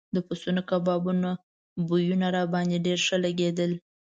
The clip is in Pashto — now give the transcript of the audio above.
د پسونو کبابو بویونه راباندې ډېر ښه لګېدل.